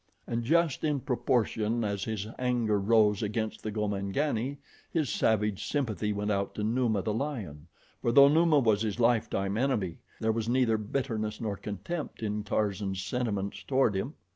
And just in proportion as his anger rose against the Gomangani his savage sympathy went out to Numa, the lion, for, though Numa was his lifetime enemy, there was neither bitterness nor contempt in Tarzan's sentiments toward him.